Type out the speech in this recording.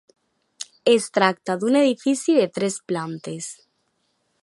Es tracta d'un edifici de tres plantes.